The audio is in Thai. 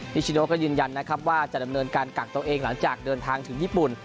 นิชโนก็ยืนยันนะครับว่าจะดำเนินการกักตัวเองหลังจากเดินทางถึงญี่ปุ่น